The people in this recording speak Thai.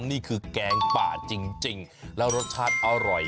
นี่คือแกงป่าจริงแล้วรสชาติอร่อย